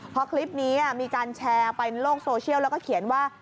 พอคลิปนี้มีการแชร์ไปโลกโซเชียลแล้วก็เขียนว่า